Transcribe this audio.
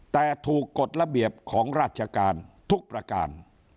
แต่ถูกกฎระเบียบของราชการทุกประการ